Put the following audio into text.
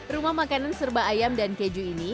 rumah makanan serba ayam dan keju ini